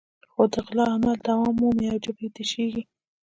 خو د غلا عمل دوام مومي او جېب یې تشېږي.